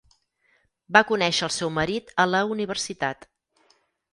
Va conèixer al seu marit a la universitat.